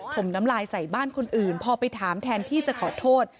มน้ำลายใส่บ้านคนอื่นพอไปถามแทนที่จะขอโทษ